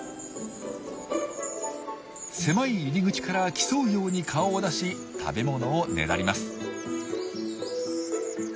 狭い入り口から競うように顔を出し食べ物をねだります。